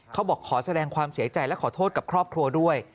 ขอแสดงความเสียใจและขอโทษกับครอบครัวด้วย